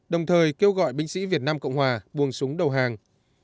đồng thời kêu gọi binh sĩ việt nam cộng hòa buông súng đầu hàng